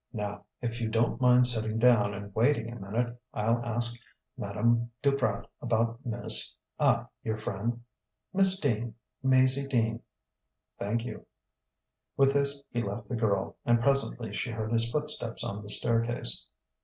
"Now, if you don't mind sitting down and waiting a minute, I'll ask Madame Duprat about Miss ah your friend " "Miss Dean Maizie Dean." "Thank you." With this he left the girl, and presently she heard his footsteps on the staircase.